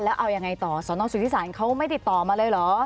แล้วเอายังไงต่อสนสุธิศาลเขาไม่ติดต่อมาเลยเหรอ